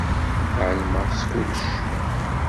Ɛelmeɣ s kullec.